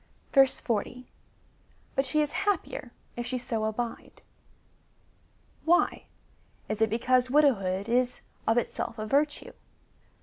40. But she is happier if she so abide. Why ? Is it be cause widowhood is of itself a virtue